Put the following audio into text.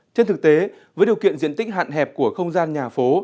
trên thực tế với điều kiện diện tích hạn hẹp của không gian nhà phố